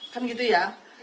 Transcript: kan gitu ya